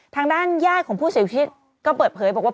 ทางด้านญาติของผู้เสียชีวิตก็เปิดเผยบอกว่า